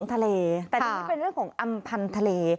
อัมพันธ์ทะเลแต่นี่เป็นเรื่องของอัมพันธ์ทะเล